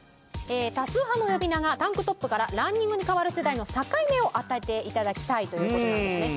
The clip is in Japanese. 多数派の呼び名がタンクトップからランニングに変わる世代の境目を当てて頂きたいという事なんですね。